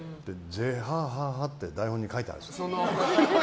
ゼーハーハーって台本に書いてあるんですよ。